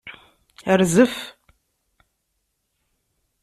Rzef.